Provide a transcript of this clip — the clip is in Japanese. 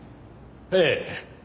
ええ。